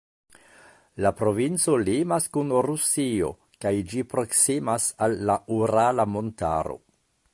La provinco limas kun Rusio kaj ĝi proksimas al la Urala Montaro.